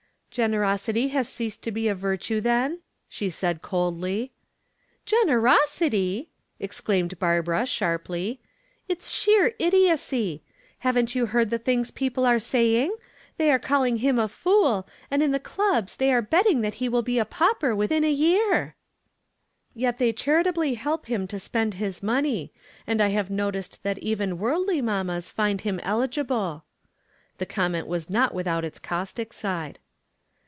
"Generosity has ceased to be a virtue, then?" she asked coldly. "Generosity!" exclaimed Barbara, sharply. "It's sheer idiocy. Haven't you heard the things people are saying? They are calling him a fool, and in the clubs they are betting that he will be a pauper within a year." "Yet they charitably help him to spend his money. And I have noticed that even worldly mammas find him eligible." The comment was not without its caustic side.